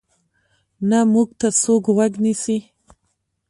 نه موږ ته څوک غوږ نیسي.